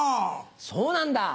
そうなんだ。